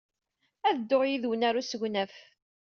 Ad dduɣ yid-wen ɣer usegnaf.